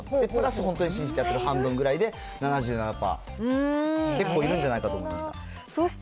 本当に信じてやってるのは半分ぐらいで、７７パー、結構いるんじゃないかと思いました。